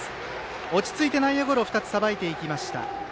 落ち着いて内野ゴロ２つさばいていきました。